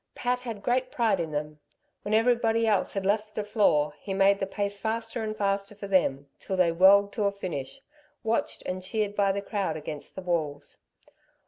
Pat had great pride in them. When everybody else had left the floor he made the pace faster and faster for them, till they whirled to a finish, watched and cheered by the crowd against the walls.